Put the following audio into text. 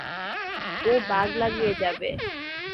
ও বাগ লাগিয়ে যাবে।